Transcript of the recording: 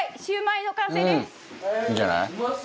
「いいんじゃない？」